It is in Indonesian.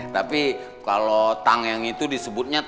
tapi kalo tang yang itu disebutnya tank